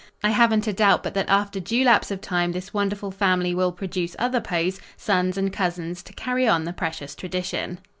I haven't a doubt but that after due lapse of time this wonderful family will produce other Poes, sons and cousins, to carry on the precious tradition.